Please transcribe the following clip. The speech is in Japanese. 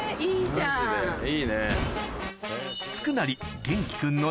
いいね。